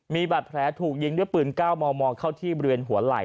มีบาดแผลถูกยิงด้วยปืน๙มมเข้าที่บริเวณหัวไหล่